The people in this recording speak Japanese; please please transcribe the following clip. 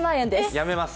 やめます。